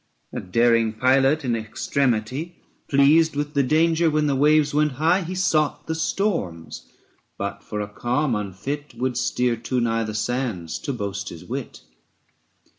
A daring pilot in extremity, Pleased with the danger, when the waves went high, 160 He sought the storms; but, for a calm unfit, Would steer too nigh the sands to boast his wit.